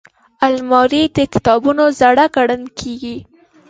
الماري د کتابتون زړه ګڼل کېږي